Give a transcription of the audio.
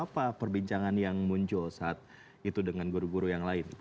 apa perbincangan yang muncul saat itu dengan guru guru yang lain